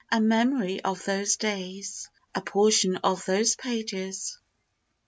a memory of those days, A portion of those pages.